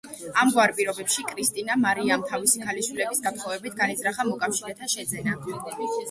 ამგვარ პირობებში კრისტინა მარიამ თავისი ქალიშვილების გათხოვებით განიზრახა მოკავშირეთა შეძენა.